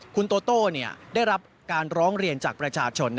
คุณโตโต้ได้รับการร้องเรียนจากประชาชน